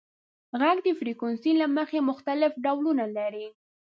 • ږغ د فریکونسۍ له مخې مختلف ډولونه لري.